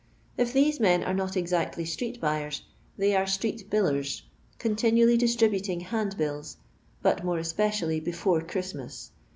If these men are not exactly street buyers, they are stteet billers, continimlly distributing hand bills, but more especially before Christmas.